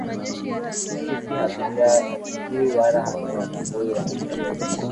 Sisi hatujui wala hatutambui unachosema